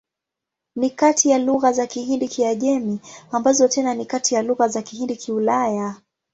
Ni kati ya lugha za Kihindi-Kiajemi, ambazo tena ni kati ya lugha za Kihindi-Kiulaya.